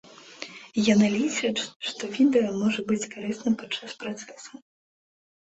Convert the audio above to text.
Яна лічыць, што відэа можа быць карысным падчас працэса.